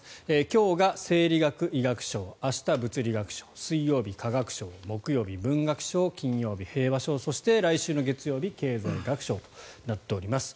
今日が生理学医学賞明日、物理学賞水曜日、化学賞木曜日、文学賞金曜日、平和賞そして、来週の月曜日経済学賞となっております。